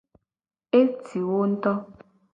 Eti wo ngto.